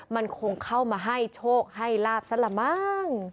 มันคงเข้ามาให้โชคให้ลาบซะละมั้ง